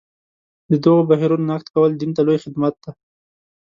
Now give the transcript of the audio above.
د دغو بهیرونو نقد کول دین ته لوی خدمت دی.